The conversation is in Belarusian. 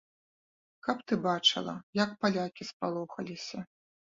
Каб ты бачыла, як палякі спалохаліся?